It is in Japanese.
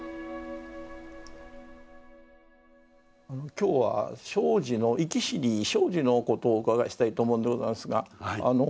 今日は生死の生き死に生死のことをお伺いしたいと思うんでございますが。